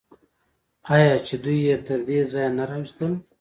آیا چې دوی یې تر دې ځایه نه راوستل؟